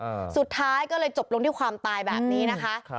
อ่าสุดท้ายก็เลยจบลงที่ความตายแบบนี้นะคะครับ